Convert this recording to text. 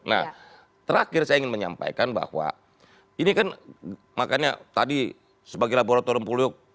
nah terakhir saya ingin menyampaikan bahwa ini kan makanya tadi sebagai laboratorium polio